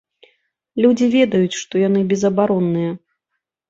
Людзі ведаюць, што яны безабаронныя.